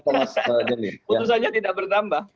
putusannya tidak bertambah